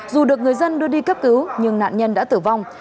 dù được người dân đưa đi cấp cứu nhưng nạn nhân đã tử vong